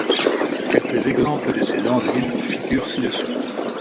Quelques exemples de ces enzymes figurent ci-dessous.